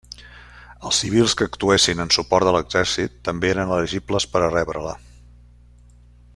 Els civils que actuessin en suport de l'Exèrcit també eren elegibles per a rebre-la.